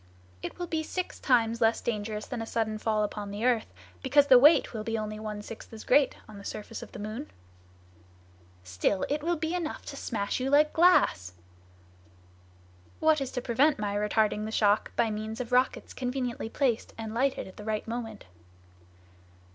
"It will be six times less dangerous than a sudden fall upon the earth, because the weight will be only one sixth as great on the surface of the moon." "Still it will be enough to smash you like glass!" "What is to prevent my retarding the shock by means of rockets conveniently placed, and lighted at the right moment?"